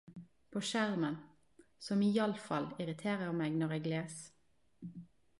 På skjermen - som iallfall irriterer meg når eg les.